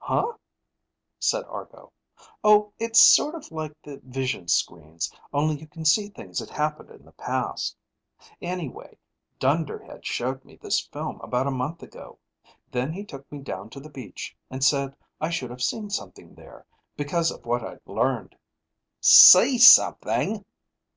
"Huh?" said Argo. "Oh, it's sort of like the vision screens, only you can see things that happened in the past. Anyway, Dunderhead showed me this film about a month ago. Then he took me down to the beach and said I should have seen something there, because of what I'd learned." "See something?"